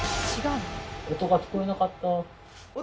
音聞こえなかった？